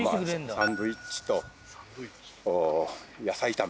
サンドイッチと野菜炒め